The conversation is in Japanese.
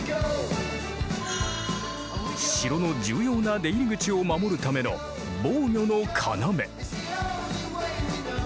城の重要な出入り口を守るための防御の要。